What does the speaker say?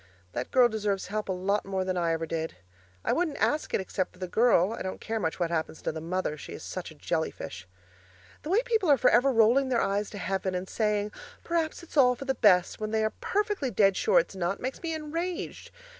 That girl deserves help a lot more than I ever did. I wouldn't ask it except for the girl; I don't care much what happens to the mother she is such a jelly fish. The way people are for ever rolling their eyes to heaven and saying, 'Perhaps it's all for the best,' when they are perfectly dead sure it's not, makes me enraged.